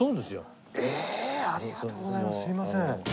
すいません。